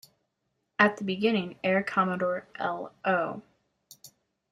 At the beginning, Air Commodore L. O.